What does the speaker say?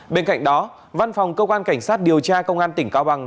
bên cạnh đó văn phòng cơ quan cảnh sát điều tra công an tỉnh cao bằng